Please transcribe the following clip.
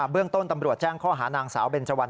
เรื่องต้นตำรวจแจ้งข้อหานางสาวเบนเจวัน